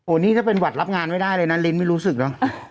นี่ถ้าเป็นหวัดรับงานไม่ได้เลยนะลิ้นไม่รู้สึกเนอะ